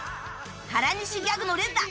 原西ギャグの連打